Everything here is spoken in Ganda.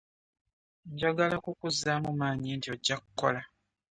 Njagala kukuzzaamu maanyi nti ojja kukola.